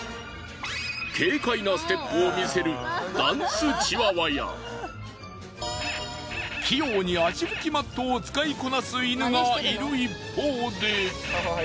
軽快なステップを見せるダンスチワワや器用に足拭きマットを使いこなす犬がいる一方で。